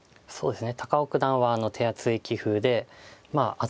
そうですね。